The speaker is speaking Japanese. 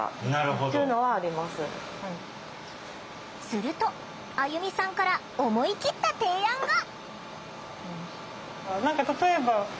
するとあゆみさんから思い切った提案が。